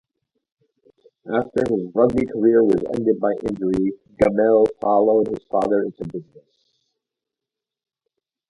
After his rugby career was ended by injury, Gammell followed his father into business.